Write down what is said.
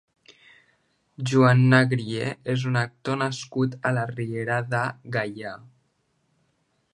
Joan Negrié és un actor nascut a la Riera de Gaià.